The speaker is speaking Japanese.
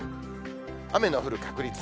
雨の降る確率。